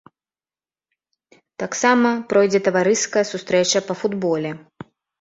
Таксама пройдзе таварыская сустрэча па футболе.